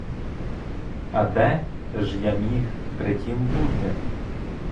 А де ж я міг при тім бути?